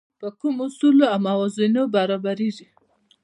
په کومو اصولو او موازینو برابرېږي.